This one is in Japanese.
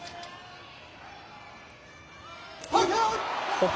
北勝